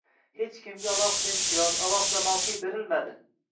hech kimga alohida imtiyoz, alohida mavqe berilmadi.